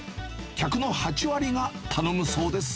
客の８割が頼むそうです。